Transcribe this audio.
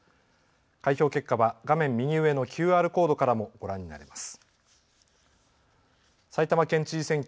開票結果は、画面右上のＱＲコードからもご覧になれます。